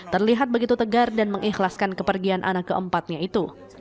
terlihat begitu tegar dan mengikhlaskan kepergian anak keempatnya itu